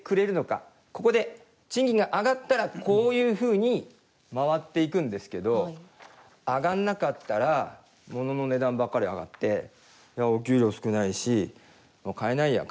ここで賃金が上がったらこういうふうに回っていくんですけど上がんなかったら物の値段ばっかり上がっていやお給料少ないしもう買えないや。